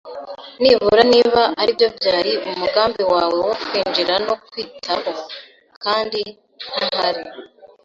Nibura, niba aribyo byari umugambi wawe wo kwinjira no kwitaho, kandi ntahari